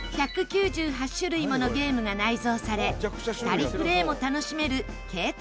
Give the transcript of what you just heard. １９８種類ものゲームが内蔵され２人プレーも楽しめる携帯ゲーム機。